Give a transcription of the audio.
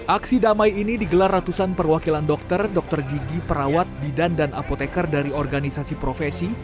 aksi damai ini digelar ratusan perwakilan dokter dokter gigi perawat bidan dan apotekar dari organisasi profesi